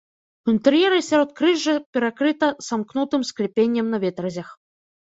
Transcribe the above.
У інтэр'еры сяродкрыжжа перакрыта самкнутым скляпеннем на ветразях.